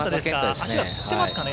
足がつってますかね。